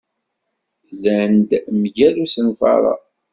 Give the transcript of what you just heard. Llan-d mgal usenfar-a.